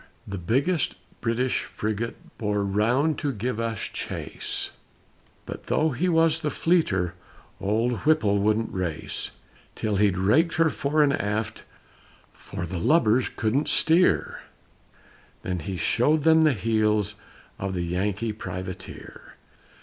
The biggest British frigate Bore round to give us chase, But though he was the fleeter Old Whipple wouldn't race, Till he'd raked her fore and aft, For the lubbers couldn't steer, Then he showed them the heels Of the Yankee Privateer.